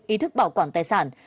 ý thức bảo quản tài sản